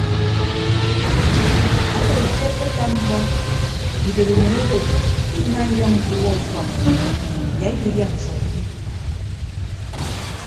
Ado ete akpeka mkpọ idorenyin odo ke ima inyọñ ikiwuọ ufọk iya ikịdia nsọk ubi.